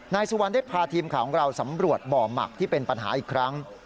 นายสุวรรณได้พาทีมข่าวของเราสำรวจบ่อหมักที่เป็นปัญหาอีกครั้ง